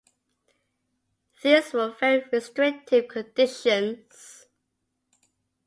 These were very restrictive conditions.